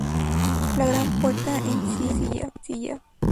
La gran puerta en sí es sencilla.